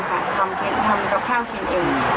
ซึ่งมาทานค่ะทำกับข้าวกินเอง